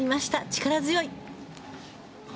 力強い。